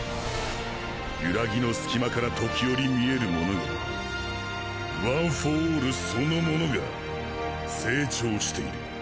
ゆらぎの隙間から時折見えるものがワン・フォー・オールそのものが成長している。